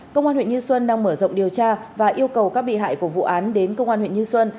công an huyện như xuân đang mở rộng điều tra và yêu cầu các bị hại của vụ án đến công an huyện như xuân